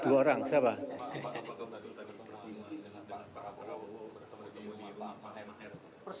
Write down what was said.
pak apa yang terjadi tadi dengan pak prabowo bertemu di lampang mr